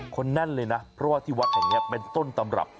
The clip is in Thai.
คนแน่นเลยนะเพราะว่าที่วัดแห่งนี้เป็นต้นตำรับ